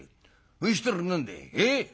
そしたら何だいえ？